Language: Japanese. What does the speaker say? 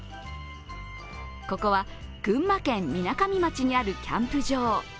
ここは群馬県みなかみ町にあるキャンプ場。